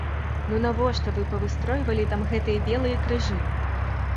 Ну навошта вы павыстройвалі там гэтыя белыя крыжы?